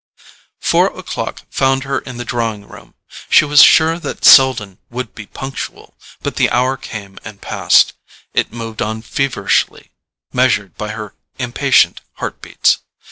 Four o'clock found her in the drawing room: she was sure that Selden would be punctual. But the hour came and passed—it moved on feverishly, measured by her impatient heart beats.